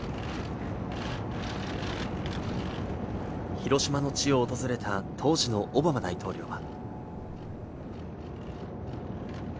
広島の地を訪れた当時のオバマ大統領は。